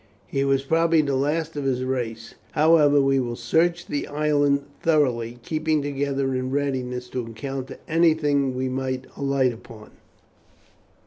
He was probably the last of his race. However, we will search the island thoroughly, keeping together in readiness to encounter anything that we may alight upon."